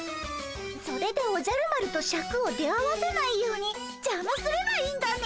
それでおじゃる丸とシャクを出会わせないようにじゃますればいいんだね？